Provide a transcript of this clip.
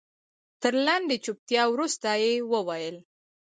تر لنډې چوپتيا وروسته يې وويل.